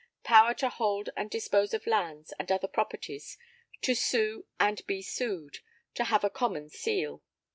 [_Power to hold and dispose of lands and other properties; to sue and be sued; to have a common seal.